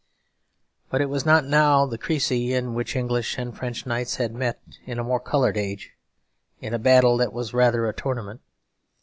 But it was not now the Creçy in which English and French knights had met in a more coloured age, in a battle that was rather a tournament.